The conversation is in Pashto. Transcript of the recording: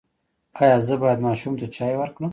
ایا زه باید ماشوم ته چای ورکړم؟